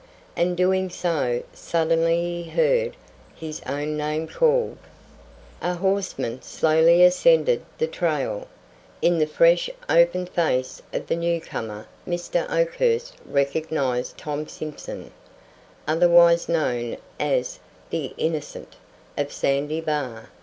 And, doing so, suddenly he heard his own name called. A horseman slowly ascended the trail. In the fresh, open face of the newcomer Mr. Oakhurst recognized Tom Simson, otherwise known as the "Innocent" of Sandy Bar.